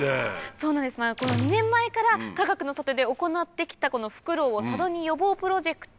そうなんです２年前からかがくの里で行って来たフクロウを里に呼ぼうプロジェクト。